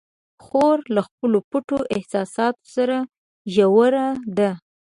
خور له خپلو پټو احساساتو سره ژوره ده.